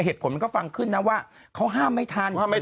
มันก็ฟังขึ้นนะว่าเขาห้ามไม่ทัน